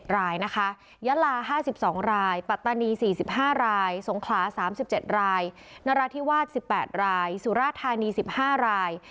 รายนะคะยะลา๕๒รายปัตตานี๔๕รายสงขลา๓๗รายนราธิวาส๑๘รายสุราธานี๑๕ราย